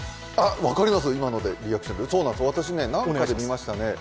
分かります、今のリアクションで私、何かで見ましたね。